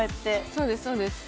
そうですそうです。